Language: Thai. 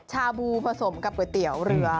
ชาบูผสมกับก๋วยเตี๋ยวเรือ